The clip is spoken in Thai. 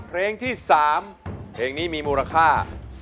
เพลงที่๓เพลงนี้มีมูลค่า